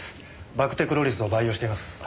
バクテクロリスを培養しています。